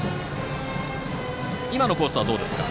今のコースはどうですか？